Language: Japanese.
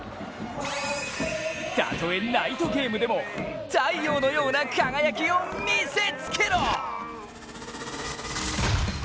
たとえナイトゲームでも太陽のような輝きを見せつけろ！